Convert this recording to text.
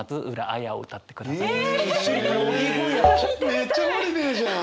「めっちゃホリディ」じゃん！